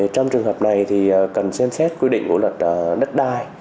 trong trường hợp này thì cần xem xét quy định của luật đất đai